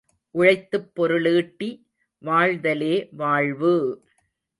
உழைத்துப் பொருளீட்டி வாழ்தலே வாழ்வு!